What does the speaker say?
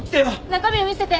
中身を見せて。